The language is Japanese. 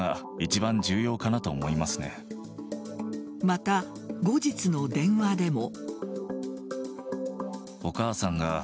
また、後日の電話でも。